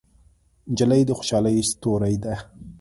نجلۍ د خوشحالۍ ستورې ده.